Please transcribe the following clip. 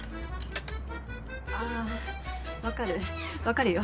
あ分かる分かるよ。